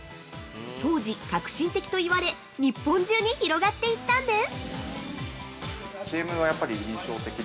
当時革新的と言われ、日本中に広がっていったんです。